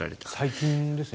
最近ですね。